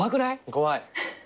怖い。